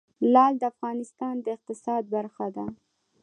لعل د افغانستان د اقتصاد برخه ده.